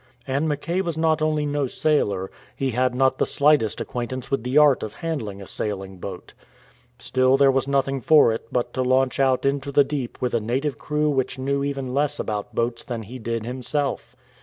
And Mackay was not only no sailor, he had not the slightest acquaintance with the art of handling a sailing boat. Still there was nothing for it but to launch out into the deep with a native crew which knew even less about boats than he did himself.